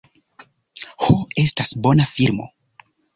"Ho, estas bona filmo."